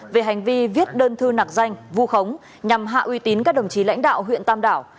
về hành vi viết đơn thư nạc danh vu khống nhằm hạ uy tín các đồng chí lãnh đạo huyện tam đảo